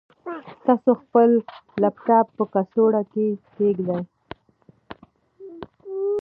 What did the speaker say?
تاسو خپل لپټاپ په کڅوړه کې کېږدئ.